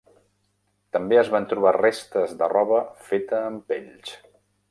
També es van trobar restes de roba feta amb pells.